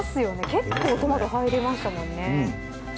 結構トマト入りましたもんね。